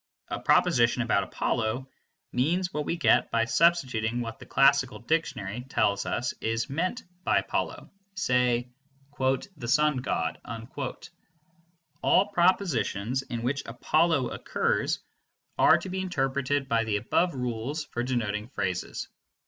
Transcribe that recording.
A proposition about Apollo means what we get by substituting what the classical dictionary tells us is meant by Apollo, say "the sun god." All propositions in which Apollo occurs are to be interpreted by the above rules for denoting phrases.